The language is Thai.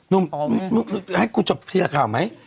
นุ่มให้กูจบทีละครับไหม